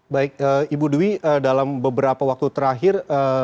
baik ibu dwi dalam beberapa waktu terakhir